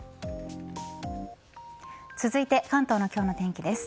続いて関東の今日の天気です。